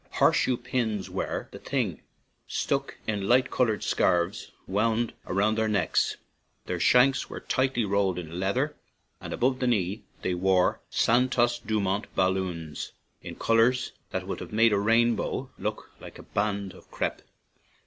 Horseshoe pins were "the thing/' stuck in light colored scarfs wound round their necks; their shanks were tightly rolled in leather, and above the knee they wore Santos Dumont balloons in colors that would have made a rainbow look like a band of crape.